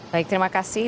baik terima kasih